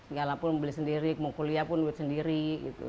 segala pun beli sendiri mau kuliah pun beli sendiri gitu